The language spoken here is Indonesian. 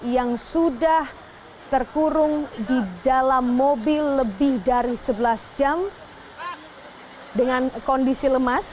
yang sudah terkurung di dalam mobil lebih dari sebelas jam dengan kondisi lemas